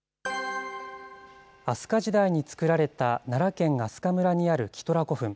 飛鳥時代に造られた奈良県明日香村にあるキトラ古墳。